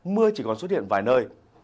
mưa chỉ còn xuất hiện vài nơi